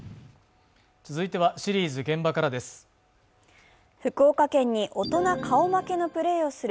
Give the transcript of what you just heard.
続いてはシリーズ「現場から」です。